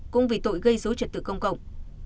cũng vì tội gây dối trật tự công cộng